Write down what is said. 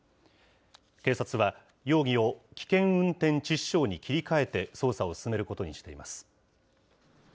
警察は容疑を危険運転致死傷に切り替えて捜査を進めることにしています。